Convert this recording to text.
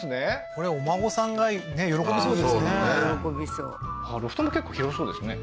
これお孫さんが喜びそうですね